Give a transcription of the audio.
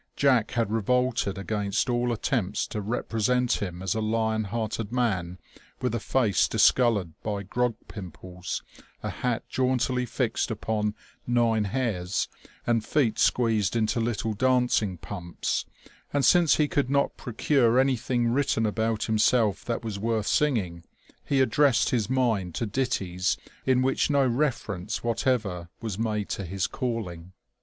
Jack had revolted against all attempts to represent him as a lion hearted man with a face discoloured by grog pimples, a hat jauntily fixed upon *'nine hairs," and feet squeezed into little dancing pumps ; and since he could not procure anything written about himself that was worth singing, he addressed his mind to ditties in which no reference whatever was made to his calling.